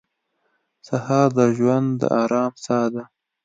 سهار د ژوند د ارام ساه ده.